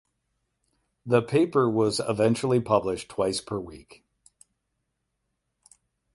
The paper was eventually published twice per week.